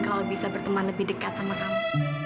kalau bisa berteman lebih dekat sama kamu